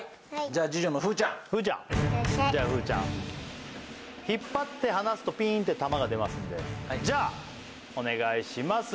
じゃあ次女の風羽ちゃん風羽ちゃんいってらっしゃいじゃあ風羽ちゃん引っ張って離すとピーンって球が出ますんでじゃあお願いします